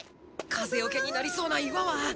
かぜよけになりそうないわは。